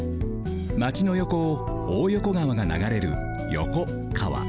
まちの横を大横川がながれる横川。